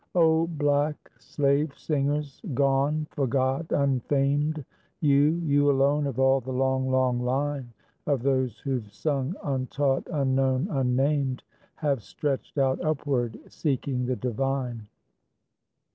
O black slave singers, gone, forgot, unfamed, You you alone, of all the long, long line Of those who've sung untaught, unknown, unnamed, Have stretched out upward, seeking the divine.